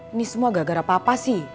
ini semua gak gara papa sih